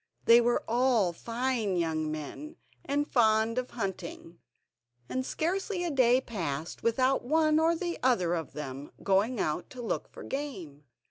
They were all fine young men, and fond of hunting, and scarcely a day passed without one or other of them going out to look for game.